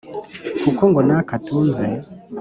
ngo kuko naka atunze